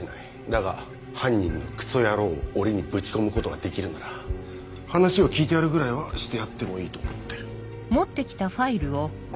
だが犯人のクソ野郎を檻にぶち込むことができるなら話を聞いてやるぐらいはしてやってもいいと思ってる。